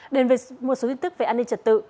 đến với một số tin tức về an ninh trật tự